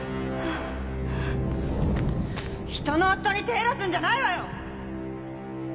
人の夫に手出すんじゃないわよ！